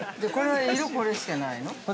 ◆色、これしかないの？